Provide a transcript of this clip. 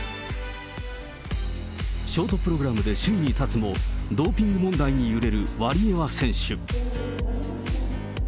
ショートプログラムで首位に立つも、ドーピング問題に揺れるワリエワ選手。